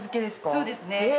そうですね。